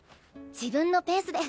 自分のペースで。